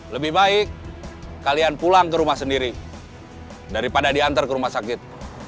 lebih baik kalian pulang ke rumah sendiri daripada diantar ke rumah sakit